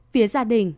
phía gia đình